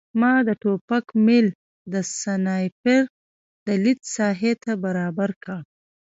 ما د ټوپک میل د سنایپر د لید ساحې ته برابر کړ